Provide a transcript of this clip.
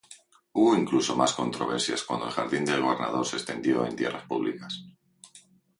Hubo incluso más controversias cuando el jardín del gobernador se extendió en tierras públicas.